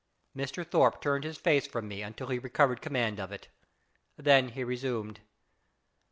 Mr. Thorpe turned his face from me until he recovered command of it. Then he resumed.